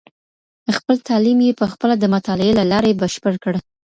خپل تعلیم یې په خپله د مطالعې له لارې بشپړ کړ.